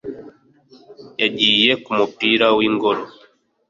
yagiye kumupira wingoro